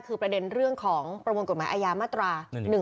คือประเด็นเรื่องของประมวลกฎหมายอาญามาตรา๑๑๒